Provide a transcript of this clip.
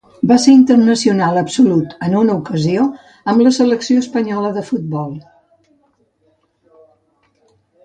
Va ser internacional absolut en una ocasió amb la selecció espanyola de futbol.